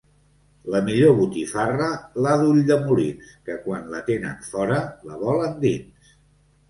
La millor botifarra, la d'Ulldemolins, que quan la tenen fora la volen dins.